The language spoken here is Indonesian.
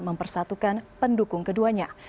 mempersatukan pendukung keduanya